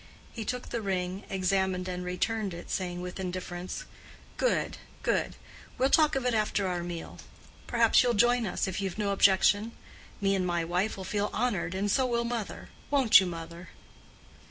He took the ring, examined and returned it, saying with indifference, "Good, good. We'll talk of it after our meal. Perhaps you'll join us, if you've no objection. Me and my wife'll feel honored, and so will mother; won't you, mother?"